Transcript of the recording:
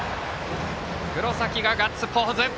黒崎、ガッツポーズ。